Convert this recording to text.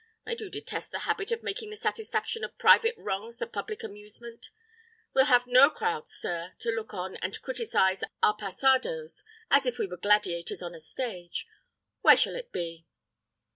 I do detest the habit of making the satisfaction of private wrongs the public amusement. We'll have no crowd, sir, to look on and criticise our passados, as if we were gladiators on a stage. Where shall it be?"